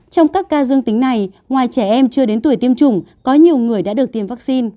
trong các ca dương tính này ngoài trẻ em chưa đến tuổi tiêm chủng có nhiều người đã được tiêm vaccine